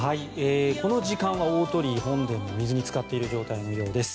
この時間は大鳥居本殿が水につかっている状態のようです。